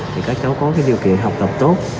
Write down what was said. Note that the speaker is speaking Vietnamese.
thì các cháu có điều kiện học tập tốt